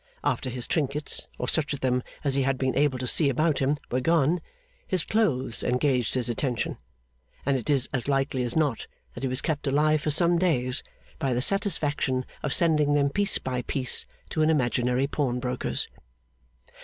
After his trinkets, or such of them as he had been able to see about him, were gone, his clothes engaged his attention; and it is as likely as not that he was kept alive for some days by the satisfaction of sending them, piece by piece, to an imaginary pawnbroker's.